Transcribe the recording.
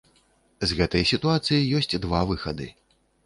З гэтай сітуацыі ёсць два выхады.